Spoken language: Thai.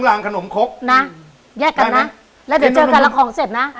พันที่แต่ลง